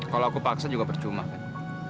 kalau aku paksa juga percuma kan